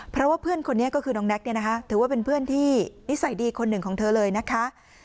เพราะว่าเพื่อนคนนี้ก็คือน้องแน็กเนี่ยนะคะถือว่าเป็นเพื่อนที่นิสัยดีคนหนึ่งของเธอเลยนะคะ